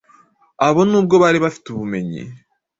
Abo nubwo bari bafite ubumenyi,